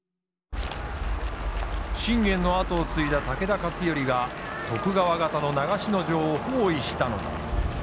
信玄の跡を継いだ武田勝頼が徳川方の長篠城を包囲したのだ。